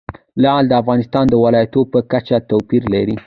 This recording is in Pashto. لعل د افغانستان د ولایاتو په کچه توپیر لري.